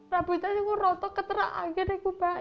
rambutnya itu gue rotot ketera anginnya gue mak